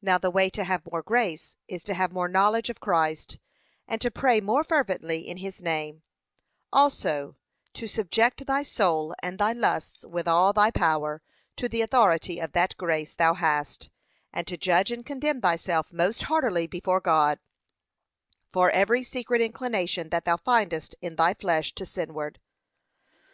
Now the way to have more grace is to have more knowledge of Christ, and to pray more fervently in his name; also, to subject thy soul and thy lusts, with all thy power, to the authority of that grace thou hast, and to judge and condemn thyself most heartily before God, for every secret inclination that thou findest in thy flesh to sinward.